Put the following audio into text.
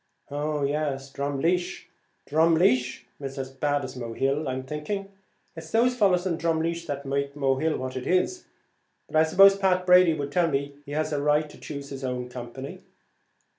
"Oh, yes, Drumleesh; Drumleesh is as bad as Mohill; I'm thinking it's those fellows in Drumleesh that make Mohill what it is; but I suppose Pat Brady would tell me he has a right to choose his own company."